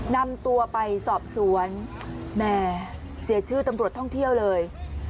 นำตัวไปสอบสวนแหมเสียชื่อตำรวจท่องเที่ยวเลย